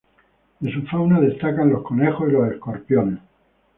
De su fauna destacan los conejos y los escorpiones.